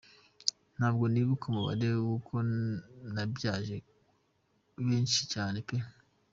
Ntabwo nibuka umubare kuko nabyaje benshi cyane pe.